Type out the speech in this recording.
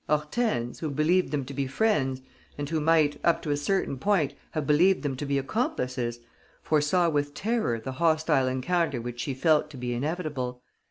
Hortense, who believed them to be friends and who might, up to a certain point, have believed them to be accomplices, foresaw with terror the hostile encounter which she felt to be inevitable.